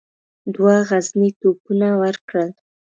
دوه غرني توپونه ورکړل.